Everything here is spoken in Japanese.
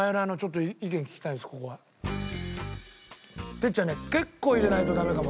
哲ちゃんね結構入れないとダメかも。